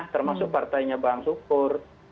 termasuk partainya bang sukur